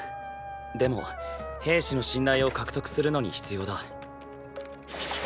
でも兵士の信頼を獲得するのに必要だ。